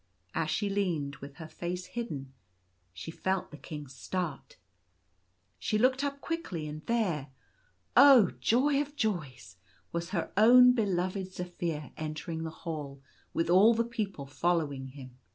As she leaned with her face hidden, she felt the King start She looked up quickly, and there — oh, joy of joys !— was her own beloved Zaphir entering the hall, with all the people following him.